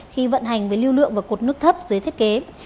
khi vận hành với lưu lượng và cột nước thấp dưới thiết kế